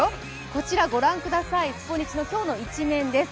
こちらご覧ください「スポニチ」の今日の一面です。